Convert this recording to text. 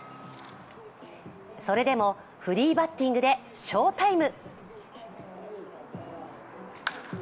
それでもフリーバッティングで翔タイム。